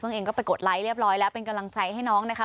เองก็ไปกดไลค์เรียบร้อยแล้วเป็นกำลังใจให้น้องนะคะ